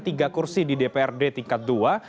tiga kursi di dprd tingkat dua